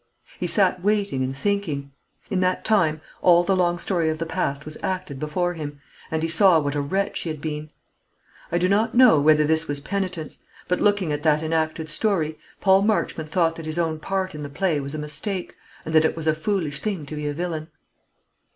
He sat waiting and thinking. In that time all the long story of the past was acted before him, and he saw what a wretch he had been. I do not know whether this was penitence; but looking at that enacted story, Paul Marchmont thought that his own part in the play was a mistake, and that it was a foolish thing to be a villain.